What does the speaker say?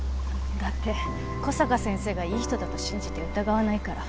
だって小坂先生がいい人だと信じて疑わないから。